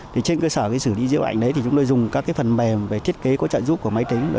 trên cơ sở xử lý dữ liệu ảnh chúng tôi dùng các phần mềm thiết kế có trạng dụng của máy tính